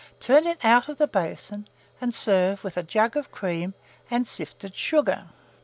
Turn it out of the basin, and serve with a jug of cream and sifted sugar.